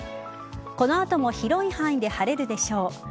この後も広い範囲で晴れるでしょう。